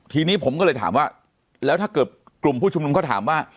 ทีนี้ผมก็เลยถามว่าแล้วถ้าเกิดกลุ่มผู้ชุมนุมเขาถามว่า